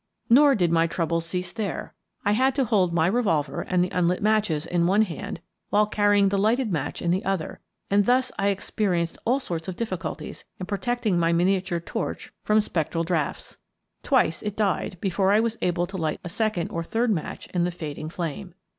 Nor did my troubles cease there. I had to hold my revolver and the unlit matches in one hand while carrying the lighted match in the other, and thus I experienced all sorts of difficulties in pro tecting my miniature torch from spectral draughts. Twice it died before I was able to light a second or third match in the fading flame.